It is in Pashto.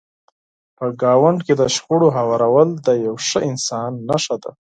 په ګاونډ کې د شخړو هوارول د یو ښه انسان نښه ده.